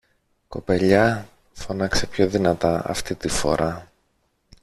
Κοπελιά, φώναξε πιο δυνατά αυτή τη φορά